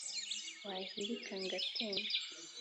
wahilika ngatemba